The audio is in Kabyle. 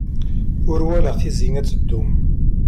Ur walaɣ tizi ad tdum.